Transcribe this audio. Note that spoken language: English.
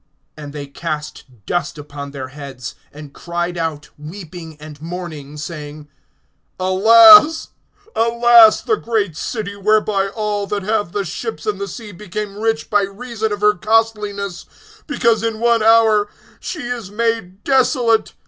(19)And they cast dust upon their heads, and cried out, weeping and mourning, saying: Alas, alas, the great city, whereby all that have the ships in the sea became rich by reason of her costliness; because in one hour she is made desolate.